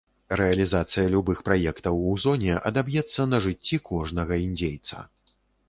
Рэалізацыя любых праектаў у зоне адаб'ецца на жыцці кожнага індзейца.